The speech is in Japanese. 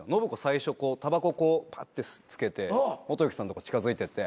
最初たばこパッて付けてモト冬樹さんのとこ近づいてって。